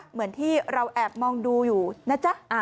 เหมือนที่เราแอบมองดูอยู่นะจ๊ะ